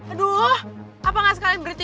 aduh apa nggak sekalian berita